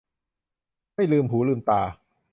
ไม่ลืมหูลืมตา